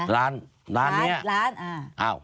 เขาบอกให้ไปเคียร์เขากับใครฮะ